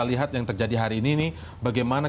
lihat yang terjadi hari ini ini bagaimana